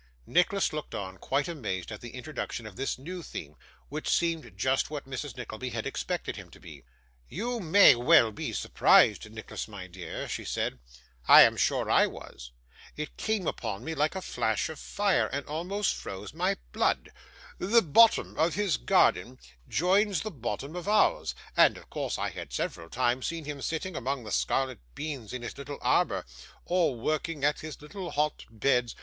Nicholas looked on, quite amazed at the introduction of this new theme. Which seemed just what Mrs. Nickleby had expected him to be. 'You may well be surprised, Nicholas, my dear,' she said, 'I am sure I was. It came upon me like a flash of fire, and almost froze my blood. The bottom of his garden joins the bottom of ours, and of course I had several times seen him sitting among the scarlet beans in his little arbour, or working at his little hot beds.